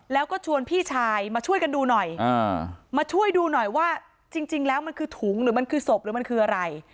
แล้วก็ชวนพี่ชายมาช่วยกันดูหน่อยมาช่วยดูหน่อยว่าจริงแล้วมันคือถุงหรือมันคือศพหรือมันคืออะไร